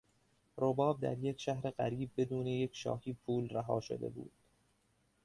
رباب در یک شهر غریب بدون یک شاهی پول رها شده بود.